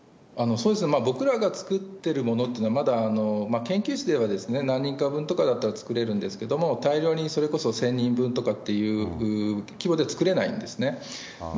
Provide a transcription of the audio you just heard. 僕らが作っているものっていうのは、まだ、研究室では何人か分だったら作れるんですけども、大量に、それこそ１０００人分とかっていう規模で作れないんですね。